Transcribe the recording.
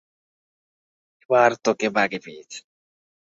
এবার তোকে বাগে পেয়েছি।